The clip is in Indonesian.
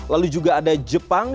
lalu juga ada jepang